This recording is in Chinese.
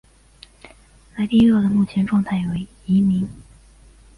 莱利鳄的目前状态为疑名。